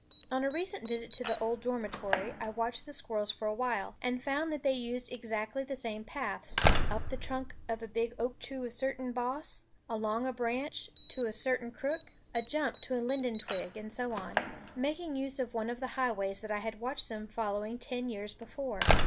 On a recent visit to the old dormitory I watched the squirrels for a while, and found that they used exactly the same paths, up the trunk of a big oak to a certain boss, along a branch to a certain crook, a jump to a linden twig and so on, making use of one of the highways that I had watched them following ten years before.